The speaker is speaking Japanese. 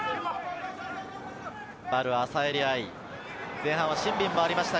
ヴァル・アサエリ愛、前半はシンビンもありました。